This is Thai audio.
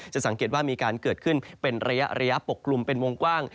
สังเกตว่ามีการเกิดขึ้นเป็นระยะปกกลุ่มเป็นวงกว้าง